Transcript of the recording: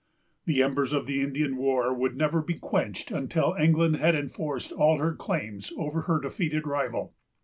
The embers of the Indian war would never be quenched until England had enforced all her claims over her defeated rival.